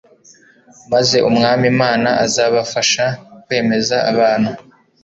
Maze Umwami Imana azabafasha kwemeza abantu